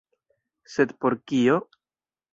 Sed por kio?